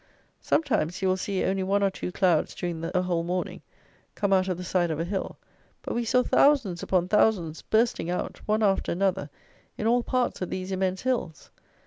Sometimes you will see only one or two clouds during a whole morning, come out of the side of a hill; but we saw thousands upon thousands, bursting out, one after another, in all parts of these immense hills.